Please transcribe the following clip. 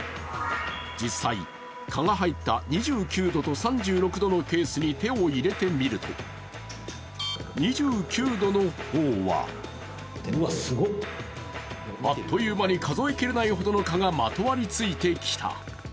実際、蚊が入った２９度と３６度のケースに手を入れてみると、２９度の方はあっという間に数え切れないほどの蚊がまとわりついてきた。